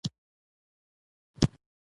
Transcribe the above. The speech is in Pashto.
د پولادو نوي تولیدات یې بازار ته وړاندې کړل